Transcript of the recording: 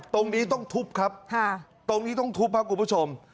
ตรงนี้ต้องทุบครับตรงนี้ต้องทุบครับคุณผู้ชม